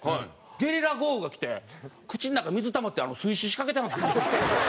ゲリラ豪雨がきて口の中水たまって水死しかけたんですよ。